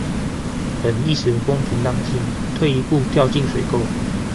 忍一時風平浪靜，退一步掉進水溝